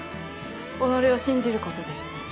己を信じることです。